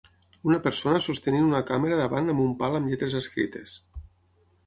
Una persona sostenint una càmera davant amb un pal amb lletres escrites.